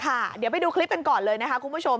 เดี๋ยวไปดูคลิปกันก่อนเลยนะคะคุณผู้ชม